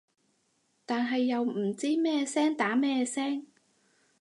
但係又唔知咩聲打咩聲